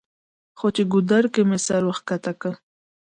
خو چې ګودر کښې مې سر ورښکته کړو